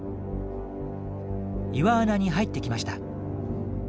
岩穴に入ってきました。